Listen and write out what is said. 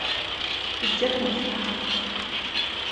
Teǧǧa-kem ṣṣeḥḥa.